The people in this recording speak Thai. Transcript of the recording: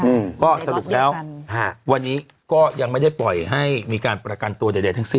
อืมก็สรุปแล้วฮะวันนี้ก็ยังไม่ได้ปล่อยให้มีการประกันตัวใดใดทั้งสิ้น